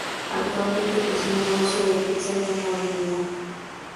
Actualmente posee un negocio de pizzas en la Av.